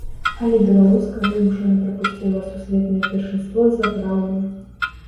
Але беларуска вымушана прапусціла сусветнае першынство з-за траўмы.